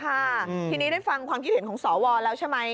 ค่ะทีนี้ได้ฟังความคิดเห็นของสวแล้วใช่ไหม